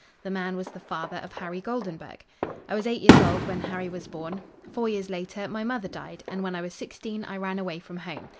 The man was the father of Harry Goldenburg. I was eight years old when Harry was born. Four years later, my mother died, and when I was sixteen I ran away from home.